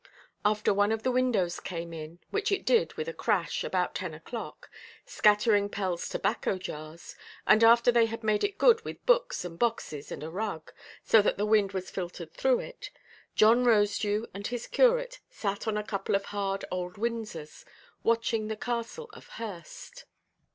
After one of the windows came in, which it did, with a crash, about ten oʼclock, scattering Pellʼs tobacco–jars, and after they had made it good with books and boxes and a rug, so that the wind was filtered through it, John Rosedew and his curate sat on a couple of hard old Windsors, watching the castle of Hurst.